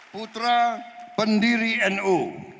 putra pendiri nu